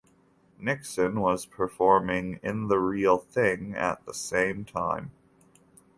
Nixon was performing in "The Real Thing" at the same time.